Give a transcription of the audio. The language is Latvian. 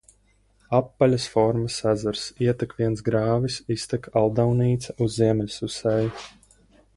Apaļas formas ezers, ietek viens grāvis, iztek Aldaunīca uz Ziemeļsusēju.